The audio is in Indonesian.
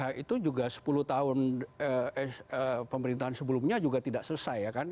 nah itu juga sepuluh tahun pemerintahan sebelumnya juga tidak selesai ya kan